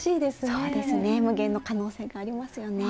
そうですね無限の可能性がありますよね。